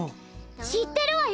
知ってるわよ。